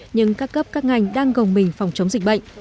nhưng các cấp các ngành đang gồng mình phòng chống dịch bệnh